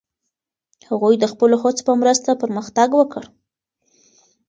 هغوی د خپلو هڅو په مرسته پرمختګ وکړ.